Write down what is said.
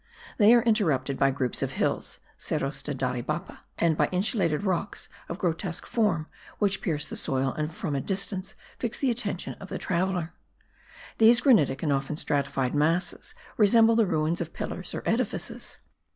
They are interrupted by groups of hills (Cerros de Daribapa) and by insulated rocks of grotesque form which pierce the soil and from a distance fix the attention of the traveller. These granitic and often stratified masses resemble the ruins of pillars or edifices.